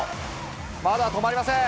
まだ止まりません。